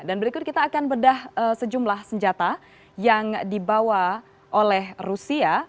dan berikut kita akan berdah sejumlah senjata yang dibawa oleh rusia